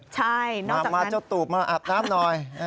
ใช่นอกจากนั้นมาจ้าตูบมาอาบน้ำหน่อย